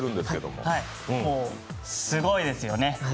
もうすごいですよね。